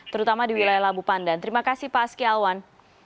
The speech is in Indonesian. terutama di wilayah labu pandan terima kasih pak aski alwan